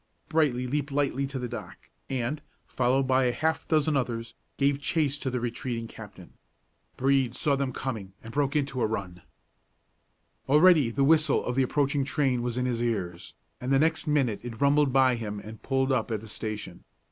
Brightly leaped lightly to the dock, and, followed by a half dozen others, gave chase to the retreating captain. Brede saw them coming, and broke into a run. Already the whistle of the approaching train was in his ears, and the next minute it rumbled by him and pulled up at the station.